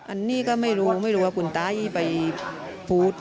อันนี้ก็ไม่รู้ไม่รู้ว่าคุณตายีไปพูด